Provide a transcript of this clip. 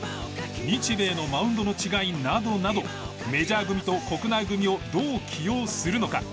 日米のマウンドの違いなどなどメジャー組と国内組をどう起用するのか？